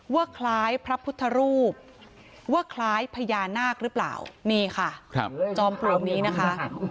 ว่าคล้ายพระพุทธรูปว่าคล้ายพญานาคหรือเปล่านี่ค่ะจอมปลวกนี้นะคะ